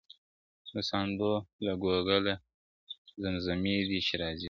د ساندو له کوګله زمزمې دي چي راځي،